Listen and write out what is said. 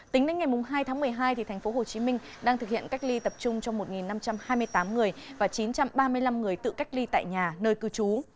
tính đến ngày hai tháng một mươi hai thành phố hồ chí minh đang thực hiện cách ly tập trung cho một năm trăm hai mươi tám người và chín trăm ba mươi năm người tự cách ly tại nhà nơi cư trú